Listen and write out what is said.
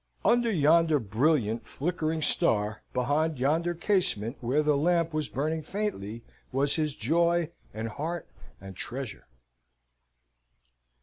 Under yonder brilliant flickering star, behind yonder casement where the lamp was burning faintly, was his joy, and heart, and treasure.